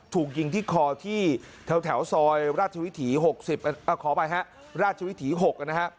ถูกยิงที่คอที่แถวซอยราชวิถี๖๐ขออภัยฮะราชวิถี๖นะฮะ